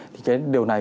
thì cái điều này